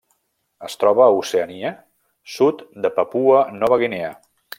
Es troba a Oceania: sud de Papua Nova Guinea.